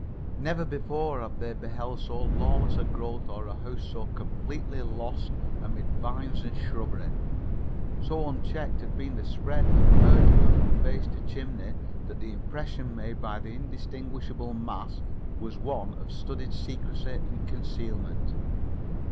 Never before had they beheld so lawless a growth or a house so completely lost amid vines and shrubbery. So unchecked had been the spread of verdure from base to chimney, that the impression made by the indistinguishable mass was one of studied secrecy and concealment.